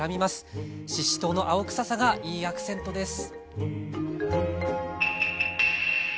ししとうの青臭さがいいアクセントです。